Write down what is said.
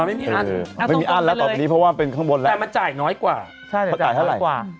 มันไม่มีอ้านเอาส่งเดียวไปเลยค่ะมันจ่ายน้อยกว่าใช่จ่ายเท่าไหร่